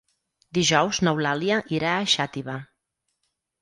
Dijous n'Eulàlia irà a Xàtiva.